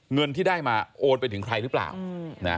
เงินที่ได้มาโอนไปถึงใครหรือเปล่า